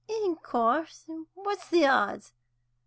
"In course. What's the odds?